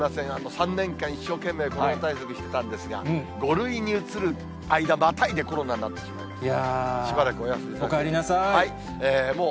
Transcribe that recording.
３年間、一生懸命コロナ対策してたんですが、５類に移る間またいでコロナになってしまいまして、しばらくお休おかえりなさい。